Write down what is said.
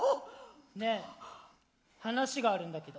ねえ話があるんだけど。